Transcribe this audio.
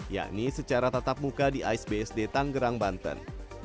yakni secara tatap muka di ais bsd tanggerang banten